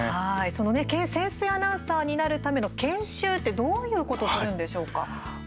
その潜水アナウンサーになるための研修ってどういうことをするんでしょうか。